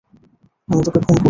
আমি তোকে খুন করব।